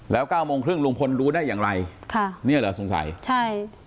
แล้วเก้าโมงครึ่งลุงพลรู้ได้อย่างไรค่ะเนี่ยเหรอสงสัยใช่